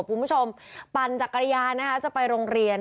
คุณผู้ชมปันจากการยานนะครับจะไปโรงเรียน